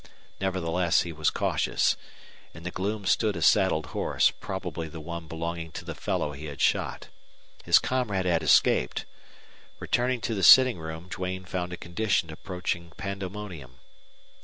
Nevertheless, he was cautious. In the gloom stood a saddled horse, probably the one belonging to the fellow he had shot. His comrade had escaped. Returning to the sitting room, Duane found a condition approaching pandemonium.